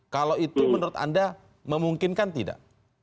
kalau itu menurut anda memungkinkan tidak